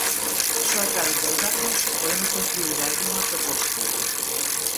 Só a través dos datos podemos construír algunha proposta.